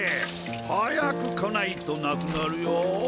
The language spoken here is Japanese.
早く来ないとなくなるよ！